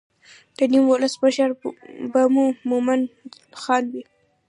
د نیم ولس مشر به مومن خان وي.